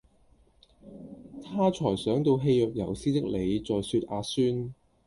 她才想到氣若游絲的你在說「阿孫」！